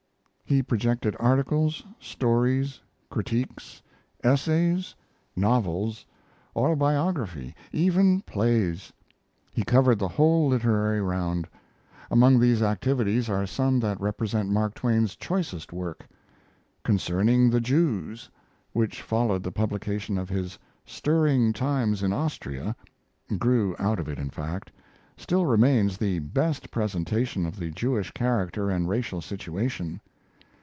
He projected articles, stories, critiques, essays, novels, autobiography, even plays; he covered the whole literary round. Among these activities are some that represent Mark Twain's choicest work. "Concerning the Jews," which followed the publication of his "Stirring Times in Austria" (grew out of it, in fact), still remains the best presentation of the Jewish character and racial situation.